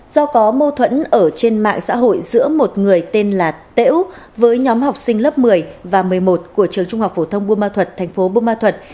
do có mâu thuẫn ở trên mạng xã hội giữa một người tên là tễu với nhóm học sinh lớp một mươi và một mươi một của trường trung học phổ thông buôn ma thuật thành phố buôn ma thuật